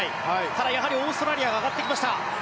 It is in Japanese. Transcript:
ただオーストラリアが上がってきました。